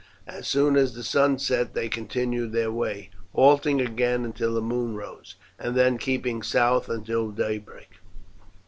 As soon as the sun set they continued their way, halting again until the moon rose, and then keeping south until daybreak.